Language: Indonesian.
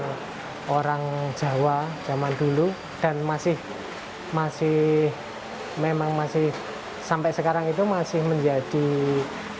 seinenjaknya sari kemudian menyebutnya yang seribu sembilan ratus sembilan puluh empat pron locals apa biakara sesuai dengan era yang watching